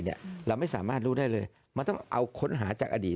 เราไม่สามารถรู้ได้เลยมันต้องเอาค้นหาจากอดีต